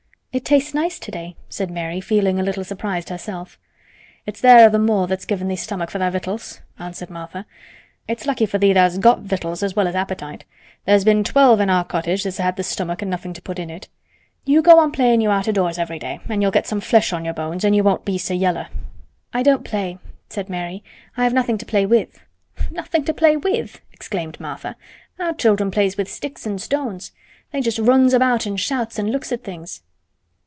"It tastes nice today," said Mary, feeling a little surprised herself. "It's th' air of th' moor that's givin' thee stomach for tha' victuals," answered Martha. "It's lucky for thee that tha's got victuals as well as appetite. There's been twelve in our cottage as had th' stomach an' nothin' to put in it. You go on playin' you out o' doors every day an' you'll get some flesh on your bones an' you won't be so yeller." "I don't play," said Mary. "I have nothing to play with." "Nothin' to play with!" exclaimed Martha. "Our children plays with sticks and stones. They just runs about an' shouts an' looks at things."